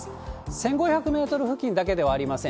１５００メートル付近だけではありません。